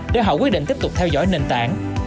để họ quyết định tiếp tục theo dõi nền tảng